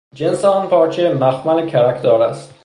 جنس آن پارچه، مخمل کرکدار است